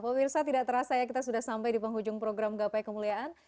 pemirsa tidak terasa ya kita sudah sampai di penghujung program gapai kemuliaan